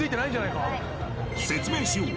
［説明しよう！］